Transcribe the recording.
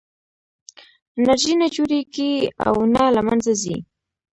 انرژي نه جوړېږي او نه له منځه ځي.